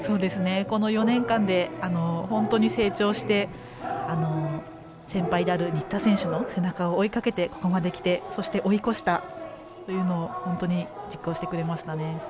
この４年間で本当に成長して先輩である新田選手の背中を追いかけてここまできて追い越したというのを本当に実行してくれましたね。